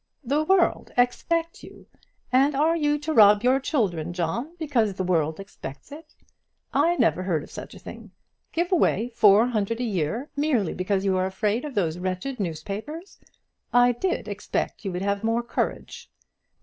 "The world expect you! And are you to rob your children, John, because the world expects it? I never heard of such a thing. Give away four hundred a year merely because you are afraid of those wretched newspapers! I did expect you would have more courage."